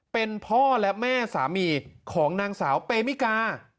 เป็นพ่อและแม่สามีของนางสาวเปมิกา